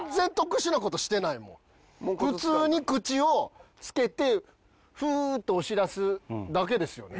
普通に口をつけてフーッて押し出すだけですよね。